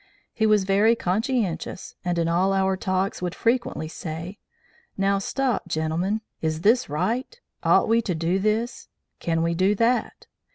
He was very conscientious, and in all our talks would frequently say: 'Now, stop gentlemen! Is this right?' 'Ought we to do this?' 'Can we do that?'